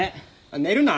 寝るな！